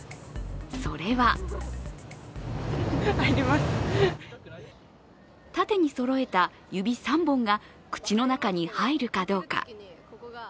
それは、縦にそろえた指３本が口の中に入るかどうか。